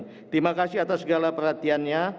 terima kasih atas segala perhatiannya